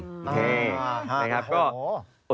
ไปครับก็